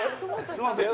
すみません。